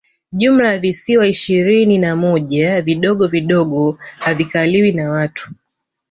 Jumla ya visiwa ishirini na moja vidogo vidogo havikaliwi na watu